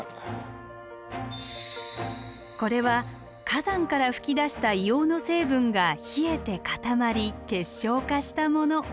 これは火山から噴き出した硫黄の成分が冷えて固まり結晶化したもの。